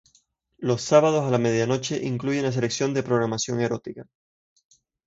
Los sábados a la medianoche, incluye una selección de programación erótica.